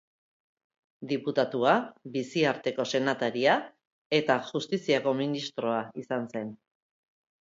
Diputatua, biziarteko senataria eta Justiziako ministroa izan zen.